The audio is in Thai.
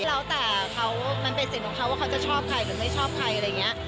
แล้วแต่เขามันเป็นสิทธิ์ของเขาว่าเขาจะชอบใครหรือไม่ชอบใครอะไรอย่างนี้